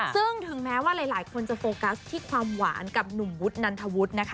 ซึ่งถึงแม้ว่าหลายคนจะโฟกัสที่ความหวานกับหนุ่มวุฒนันทวุฒินะคะ